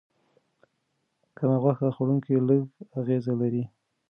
کم غوښه خوړونکي لږ اغېز لري.